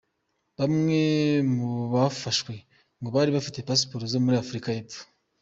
Bamwe mu bafashwe ngo bari bafite Passports zo muri Afurika y’Epfo.